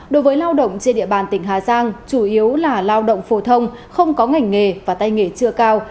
đối với lao động trên địa bàn tỉnh hà giang chủ yếu là lao động phổ thông không có ngành nghề và tay nghề chưa cao